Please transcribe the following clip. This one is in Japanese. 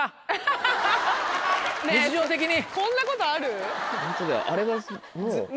日常的に。